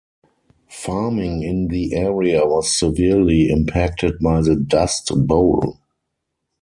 Farming in the area was severely impacted by the dust bowl.